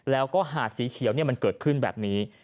แล้วก็หาดสีเขียวมันเกิดขึ้นแบบนี้